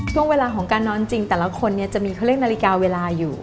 ช่วงเวลาของการนอนจริงแต่ละคนเนี่ยจะมีเขาเรียกนาฬิกาเวลาอยู่